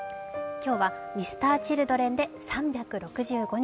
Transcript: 今日はＭｒ．Ｃｈｉｌｄｒｅｎで「３６５日」。